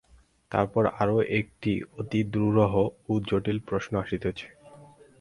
তারপর আর একটি অতি দুরূহ ও জটিল প্রশ্ন আসিতেছে।